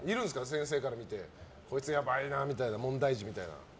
先生から見てこいつやばいなみたいな問題児みたいな。